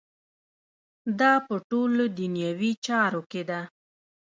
دا په ټولو دنیوي چارو کې ده.